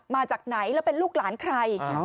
มาจากไหนแล้วเป็นลูกหลานใคร